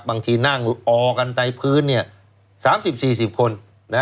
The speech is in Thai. บางทีนั่งออกันในพื้นเนี่ย๓๐๔๐คน